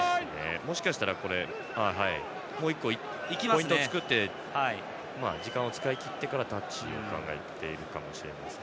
もしかしたらもう１個、ポイントを作って時間を使い切ってからタッチを考えているかもしれません。